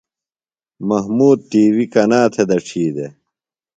محمود ٹی وی کنا تھےۡ دڇھی دےۡ؟